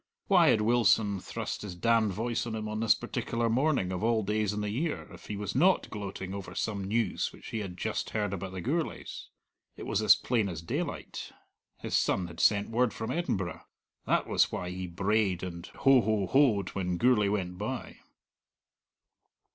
Why had Wilson thrust his damned voice on him on this particular morning of all days in the year, if he was not gloating over some news which he had just heard about the Gourlays? It was as plain as daylight: his son had sent word from Edinburgh. That was why he brayed and ho ho hoed when Gourlay went by.